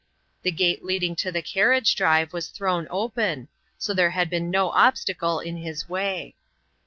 The gate leading to the carriage drive was thrown open, so there had been no obstacle in his way.